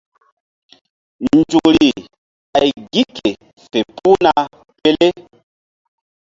Nzukri ɓay gi ke fe puhna pele.